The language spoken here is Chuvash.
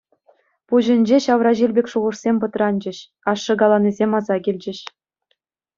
Пуҫӗнче ҫавра ҫил пек шухӑшсем пӑтранчӗҫ, ашшӗ каланисем аса килчӗҫ.